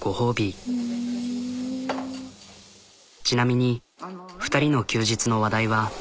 ちなみに２人の休日の話題は。